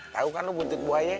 tahu kan lo buntut buaya